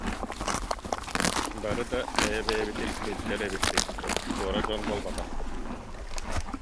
Бары да бэйэ-бэйэбитин билсэр эбиппит, туора дьон буолбатахпыт